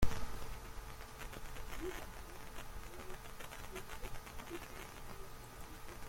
El actual campeón es Tony Baroni, quien se encuentra en su segundo reinado.